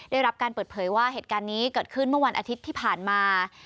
ได้รับการเปิดเผยว่าเหตุการณ์นี้เกิดขึ้นเมื่อวันอาทิตย์ที่ผ่านมา